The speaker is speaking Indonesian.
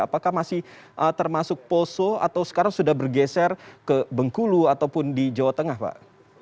apakah masih termasuk poso atau sekarang sudah bergeser ke bengkulu ataupun di jawa tengah pak